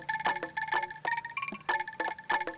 mengaku ini kuncut anggam